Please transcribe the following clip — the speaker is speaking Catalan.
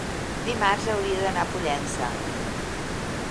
Dimarts hauria d'anar a Pollença.